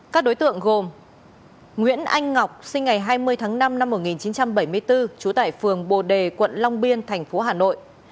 các đối tượng gồm nguyễn anh ngọc sinh ngày hai mươi tháng năm năm một nghìn chín trăm bảy mươi bốn trú tại phường bồ đề quận long biên thành phố hà nội